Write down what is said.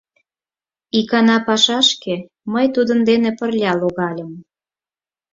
Икана пашашке мый тудын дене пырля логальым.